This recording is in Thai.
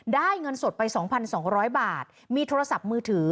เงินสดไป๒๒๐๐บาทมีโทรศัพท์มือถือ